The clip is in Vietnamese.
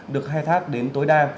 được hai thác đến tối đa